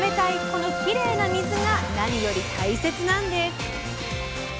このきれいな水が何より大切なんです。